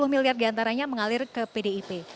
delapan puluh miliar diantaranya mengalir ke pdip